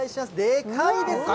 でかいですね。